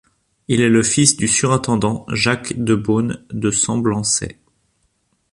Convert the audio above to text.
Il est le fils du surintendant Jacques de Beaune de Semblançay.